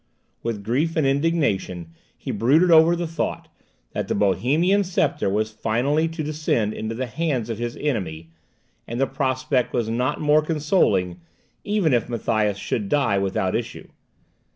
With grief and indignation he brooded over the thought, that the Bohemian sceptre was finally to descend into the hands of his enemy; and the prospect was not more consoling, even if Matthias should die without issue.